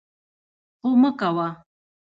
خو مه کوه!